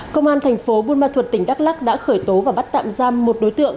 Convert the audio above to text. công an thành phố buôn ma thuật tỉnh đắk lắc đã khởi tố và bắt tạm giam một đối tượng